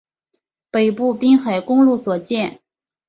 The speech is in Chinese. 北部滨海公路所见